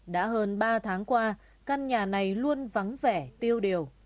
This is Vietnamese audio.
đã hơn ba tháng qua căn nhà này luôn vắng vẻ tiêu điều